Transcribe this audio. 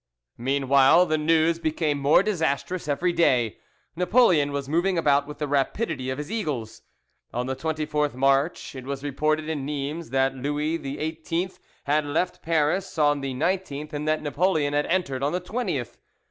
Meanwhile the news became more disastrous every day: Napoleon was moving about with the rapidity of his eagles. On the 24th March it was reported in Nimes that Louis XVIII had left Paris on the 19th and that Napoleon had entered on the 20th.